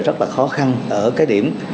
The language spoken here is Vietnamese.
rất là khó khăn ở cái điểm